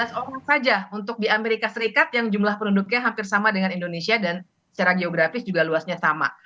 tiga belas orang saja untuk di amerika serikat yang jumlah penduduknya hampir sama dengan indonesia dan secara geografis juga luasnya sama